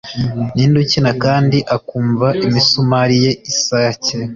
Ninde ukina kandi akumva imisumari ye isake